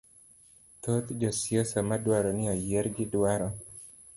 Thoth josiasa madwaro ni oyiergi, dwaro